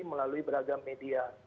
melalui beragam media